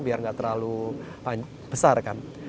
biar nggak terlalu besar kan